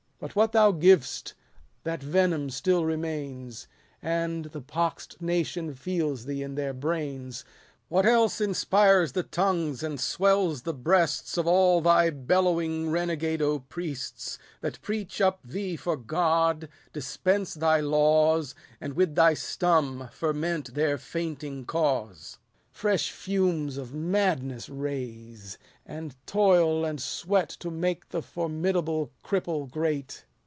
But what thou giv'st, that venom still remains, And the pox'd nation feels thee in their brains. What else inspires the tongues and swells the breasts Of all thy bellowing renegado priests, That preach up thee for God, dispense thy laws, And with thy stum ferment their fainting cause \ 270 THE MEDAL. 173 Fresh fumes of madness raise ; and toil aud sweat 271 To make the formidable cripple great.